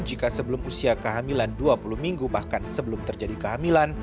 jika sebelum usia kehamilan dua puluh minggu bahkan sebelum terjadi kehamilan